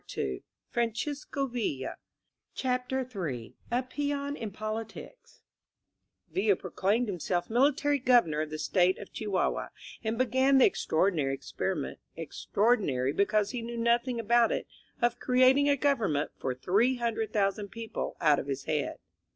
INSURGENT MEXICO CHAPTER m A PEON IN POLITICS VILLA proclaimed himself military governor of the State of Chihuahua, and began the ex traordinary experiment— extraordinary be cause he knew nothing about it — of creating a govern ment for 800,000 people out of his head.